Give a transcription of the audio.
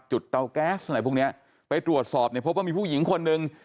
เตาแก๊สอะไรพวกเนี้ยไปตรวจสอบเนี่ยพบว่ามีผู้หญิงคนหนึ่ง